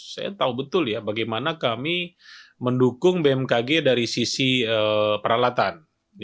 saya tahu betul ya bagaimana kami mendukung bmkg dari sisi peralatan